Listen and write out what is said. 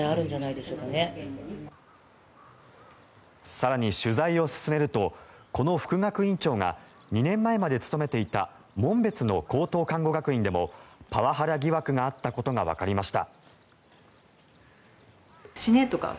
更に取材を進めるとこの副学院長が２年前まで勤めていた紋別の高等看護学院でもパワハラ疑惑があったことがわかりました。